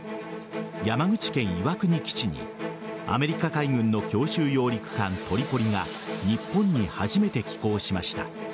山口県・岩国基地にアメリカ海軍の強襲揚陸艦「トリポリ」が日本に初めて寄港しました。